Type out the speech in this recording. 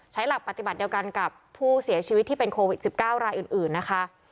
หลักปฏิบัติเดียวกันกับผู้เสียชีวิตที่เป็นโควิด๑๙รายอื่นนะคะ